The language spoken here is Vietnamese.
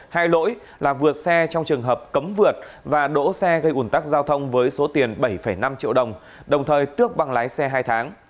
hai lỗi là vượt xe trong trường hợp cấm vượt và đỗ xe gây ủn tắc giao thông với số tiền bảy năm triệu đồng đồng thời tước bằng lái xe hai tháng